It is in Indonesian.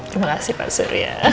terima kasih pak surya